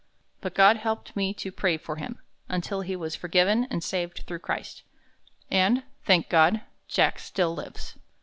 But God helped me to pray for him, until he was forgiven and saved through Christ. And, thank God, Jack still lives."